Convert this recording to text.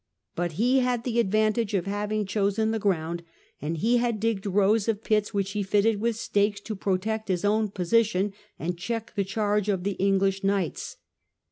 But he had the advantage of having chosen the ground, and he had digged rows of pits, ^hich he fitted with stakes, to protect his own posi tion and check the charge of the English knights.